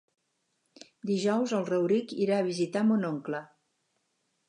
Dijous en Rauric irà a visitar mon oncle.